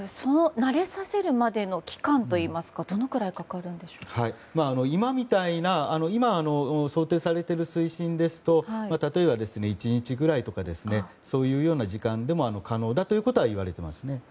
慣れさせるまでの期間といいますか今、想定されている水深でスト、例えば１日ぐらいですとかそういうような時間でも可能だということはいわれていますね。